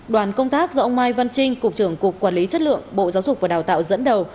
đoàn công tác do ông mai văn trinh cục trưởng cục quản lý chất lượng bộ giáo dục và đào tạo dẫn đầu